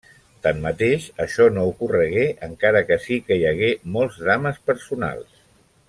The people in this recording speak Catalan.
Tanmateix, això no ocorregué, encara que sí que hi hagué molts drames personals.